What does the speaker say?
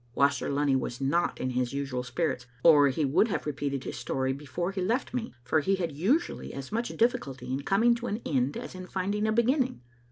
Waster Lunny was not in his usual spirits, or he would have repeated his story before he left me, for he had usually as much difficulty in coming to an end as in finding a beginning.